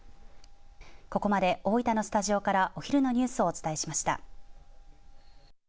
ここまで大分のスタジオからお昼のニュースをお伝えしました。